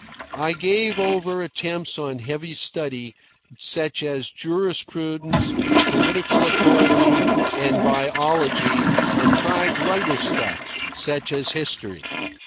I gave over attempts on heavy study, such as jurisprudence, political economy, and biology, and tried lighter stuff, such as history.